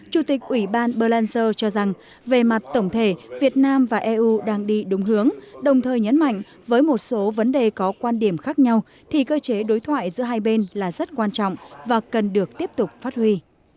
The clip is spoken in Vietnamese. chủ tịch ủy ban berlanger cho rằng về mặt tổng thể việt nam và eu đang đi đúng hướng đồng thời nhấn mạnh với một số vấn đề có quan điểm khác nhau thì cơ chế đối thoại giữa hai bên là rất quan trọng và cần được tiếp tục phát huy